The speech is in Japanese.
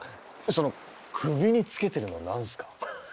その首につけてるの何っすか？